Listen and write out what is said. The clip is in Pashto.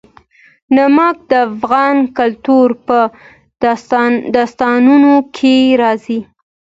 نمک د افغان کلتور په داستانونو کې راځي.